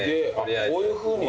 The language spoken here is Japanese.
あっこういうふうに。